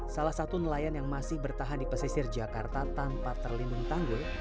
salah satu nelayan yang masih bertahan di pesisir jakarta tanpa terlindung tanggul